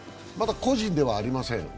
まだ個人ではありません。